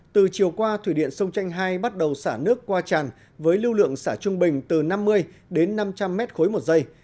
từ chiều qua thủy điện sông tranh hai bắt đầu xả nước qua tràn với lưu lượng xả trung bình từ năm mươi đến năm trăm linh mét khối một giây